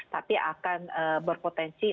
tapi akan berpotensi